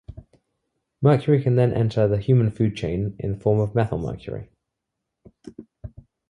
Mercury can then enter into the human food chain in the form of methylmercury.